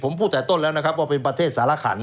ผมพูดแต่ต้นแล้วนะครับว่าเป็นประเทศสารขัน